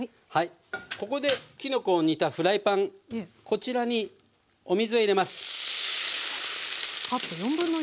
ここできのこを煮たフライパンこちらにお水を入れます。